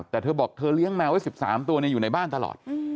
แต่เธอบอกเธอเลี้ยงแมวไว้๑๓ตัวอยู่ในบ้านตลอด